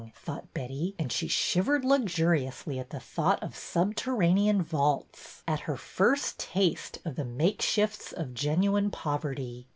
thought Betty, and she shiv ered luxuriously at the thought of subterranean vaults, at her first taste of the makeshifts of genuine poverty.